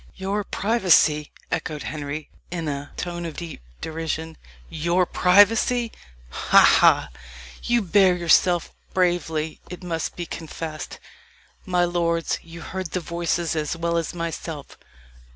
"Your privacy!" echoed Henry, in a tone of deep derision "Your privacy! ha! ha! You bear yourself bravely, it must be confessed. My lords, you heard the voices as well as myself.